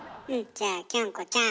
じゃあきょんこちゃん